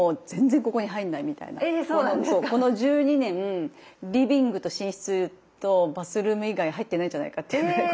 えそうなんですか⁉そうこの１２年リビングと寝室とバスルーム以外入ってないんじゃないかっていうぐらい。